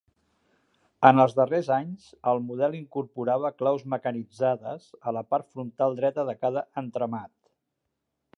En els darrers anys, el model incorporava claus mecanitzades a la part frontal dreta de cada entramat.